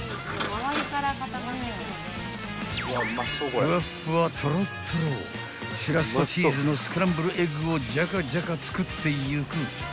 ［ふわっふわとろっとろしらすとチーズのスクランブルエッグをじゃかじゃか作っていく］